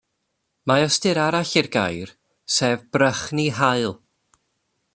Mae ystyr arall i'r gair, sef brychni haul.